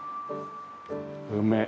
梅。